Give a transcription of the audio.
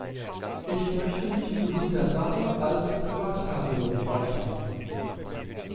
Ich möchte mich zu dieser Sache als Privatperson äußern.